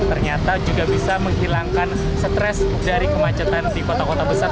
ternyata juga bisa menghilangkan stres dari kemacetan di kota kota besar